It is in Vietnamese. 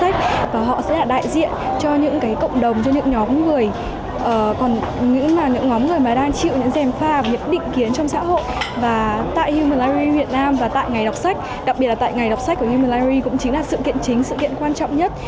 tại việt nam và tại ngày đọc sách đặc biệt là tại ngày đọc sách của human library cũng chính là sự kiện chính sự kiện quan trọng nhất